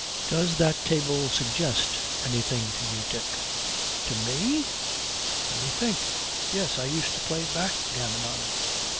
'Does that table suggest anything to you, Dick?' 'To me? Let me think. Yes, I used to play backgammon on it.